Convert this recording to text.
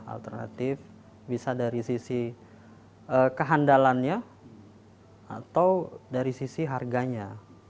alternatif bisa dari sisi kehandalannya atau dari sisi harganya